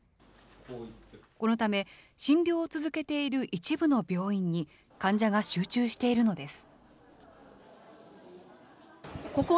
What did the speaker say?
このため、診療を続けている一部の病院に、患者が集中しているのです。